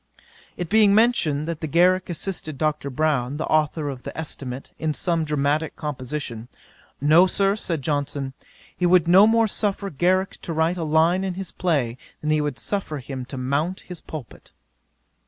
'It being mentioned, that Garrick assisted Dr. Brown, the authour of the Estimate, in some dramatick composition, "No, Sir, (said Johnson,) he would no more suffer Garrick to write a line in his play, than he would suffer him to mount his pulpit."